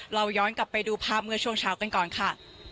เราย้อนกลับไปดูภาพเมื่อช่วงเช้ากันก่อนค่ะ